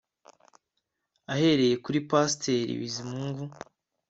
ahereye kuri pasteur bizimungu,